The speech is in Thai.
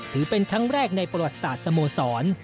ถือเป็นครั้งแรกในประวัติศาสตร์สโมสร